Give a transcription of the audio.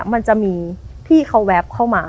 มันจะมีที่เขาแวบเข้ามา